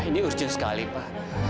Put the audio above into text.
ini urgen sekali pak